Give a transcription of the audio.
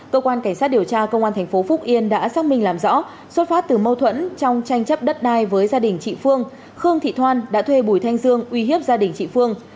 cơ quan cảnh sát điều tra công an tp phúc yên đã xác minh làm rõ xuất phát từ mâu thuẫn trong tranh chấp đất đai với gia đình chị phương khương thị thoan đã thuê bùi thanh dương uy hiếp gia đình chị phương